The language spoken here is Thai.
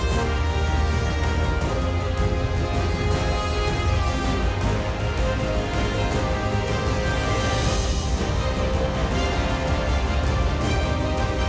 ดวงดาวระยิบระยิบระยิบ